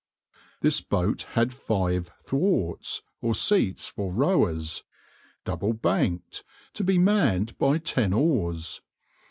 This boat had five thwarts, or seats for rowers, double banked, to be manned by ten oars.